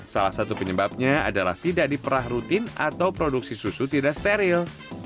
salah satu penyebabnya adalah tidak diperah rutin atau produksi susu tidak steril